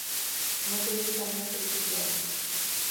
Мы былі там некалькі дзён.